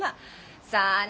さあね